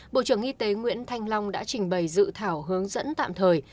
bộ trưởng y tế nguyễn thanh long đã trình bày dự thảo hướng dẫn tạm thời